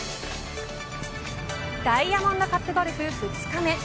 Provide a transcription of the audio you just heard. ダイヤモンドカップゴルフ２日目。